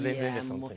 本当に。